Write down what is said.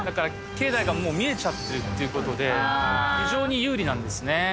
境内がもう見えちゃってるという事で非常に有利なんですね。